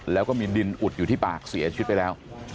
แล้วก็มีดินอุดอยู่ที่ปากเสียชีวิตไปแล้ว